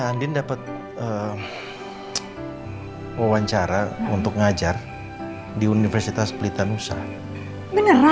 iya andi dapet wawancara untuk ngajar di universitas pelitanusa udah seneng banget ya pak